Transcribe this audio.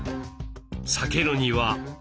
避けるには。